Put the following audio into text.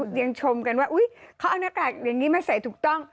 ยังชมกันว่าอุ๊ยเขาเอาหน้ากากอย่างนี้มาใส่ถูกต้อง